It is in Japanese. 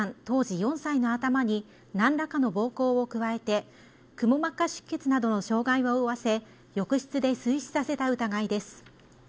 当時４歳の頭に何らかの暴行を加えてくも膜下出血などの傷害を負わせ浴室で水死させた疑いです